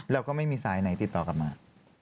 แล้วก็ไม่มีสายไหนติดต่อกลับมา